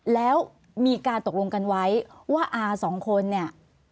แล้วมีการตกลงกันไว้ว่าอาสองคนเนี่ย